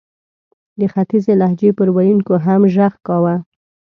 د ختیځې لهجې پر ویونکو هم ږغ کاوه.